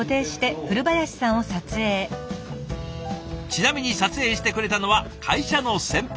ちなみに撮影してくれたのは会社の先輩。